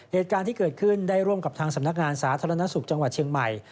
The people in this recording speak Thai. เหตุการณ์ที่เกิดขึ้นได้ร่วมกับทางสำนักงานสาธารณสุขจังหวัดเชียงใหม่